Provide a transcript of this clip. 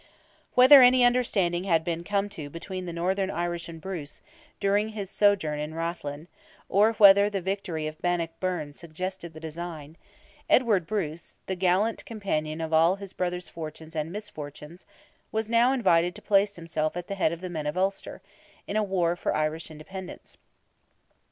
Whether any understanding had been come to between the northern Irish and Bruce, during his sojourn in Rathlin, or whether the victory of Bannockburn suggested the design, Edward Bruce, the gallant companion of all his brother's fortunes and misfortunes, was now invited to place himself at the head of the men of Ulster, in a war for Irish independence.